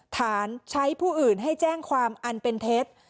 ฐานใช้ผู้อื่นให้แจ้งความอันเป็นเท็จ